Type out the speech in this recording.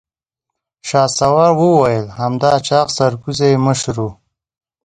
شهسوار وويل: همدا چاغ سرکوزی يې مشر و.